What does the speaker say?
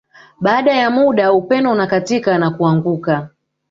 Baada ya muda upeno unakatika na kuanguka